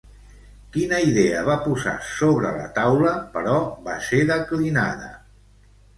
Quina idea va posar sobre la taula, però va ser declinada?